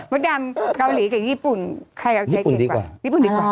มดดำเกาหลีกับญี่ปุ่นใครเอาใจเก่งกว่า